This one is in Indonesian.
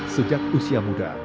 sejak usia muda